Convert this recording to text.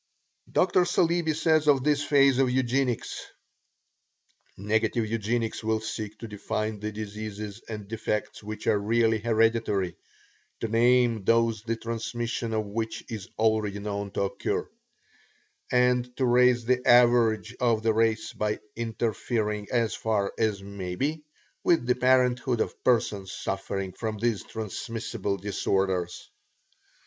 Dr. Saleeby says of this phase of Eugenics: "Negative Eugenics will seek to define the diseases and defects which are really hereditary; to name those the transmission of which is already known to occur, and to raise the average of the race by interfering as far as may be with the parenthood of persons suffering from these transmissible disorders.